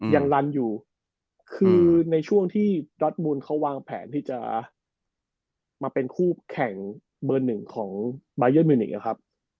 ลันอยู่คือในช่วงที่ดอทมูลเขาวางแผนที่จะมาเป็นคู่แข่งเบอร์หนึ่งของบายันมิวนิกอะครับ